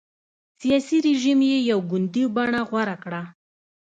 سیاسي رژیم یې یو ګوندي بڼه غوره کړه.